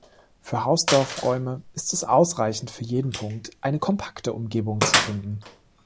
Für Hausdorff-Räume ist es ausreichend, für jeden Punkt eine kompakte Umgebung zu finden.